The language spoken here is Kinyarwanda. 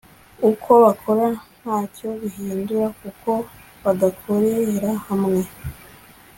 Uko bakora ntacyo bihindura kuko badakorera hamwe